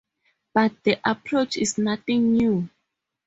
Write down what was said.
But the approach is nothing new.